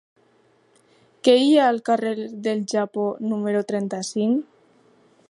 Què hi ha al carrer del Japó número trenta-cinc?